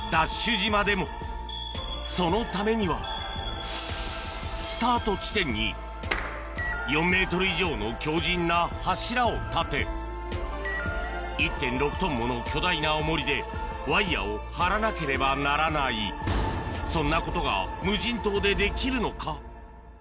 島でもそのためにはスタート地点に４ｍ以上の強靱な柱を立て１．６ｔもの巨大なオモリでワイヤを張らなければならないそんなことが無人島でできるのか？